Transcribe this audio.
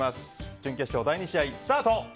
準決勝第２試合スタート！